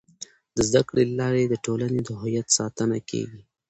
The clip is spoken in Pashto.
د زده کړې له لارې د ټولنې د هویت ساتنه کيږي.